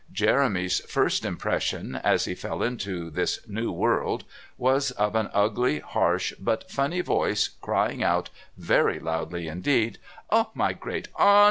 Jeremy's first impression, as he fell into this new world, was of an ugly, harsh, but funny voice crying out very loudly indeed: "Oh, my great aunt!